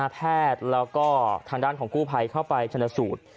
แพทย์แล้วก็ทางด้านของกู้ภัยเข้าไปชนสูตร